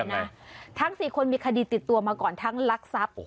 ทั้ง๔คนมีคดีติดตัวมาก่อนทั้งลักทรัพย์